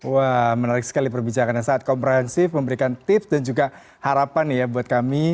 wah menarik sekali perbicaraannya saat komprehensif memberikan tips dan juga harapan ya buat kami